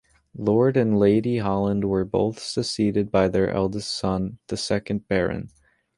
Lord and Lady Holland were both succeeded by their eldest son, the second Baron.